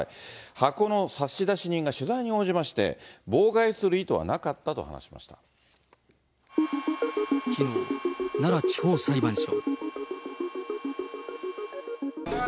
箱の差出人が取材に応じまして、妨害する意図はなかったと話しまきのう、奈良地方裁判所。